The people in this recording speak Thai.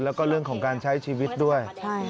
แล้วก็เรื่องของการใช้ชีวิตด้วย